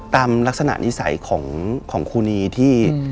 ตามลักษณะนิสัยของครูนีที่